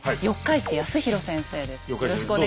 四日市康博先生です。